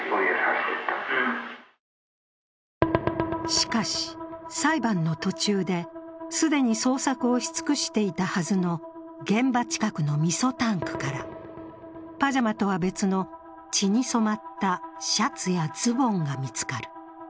しかし、裁判の途中で既に捜索をしつくしていたはずの現場近くのみそタンクから、パジャマとは別の血に染まったシャツやズボンが見つかる。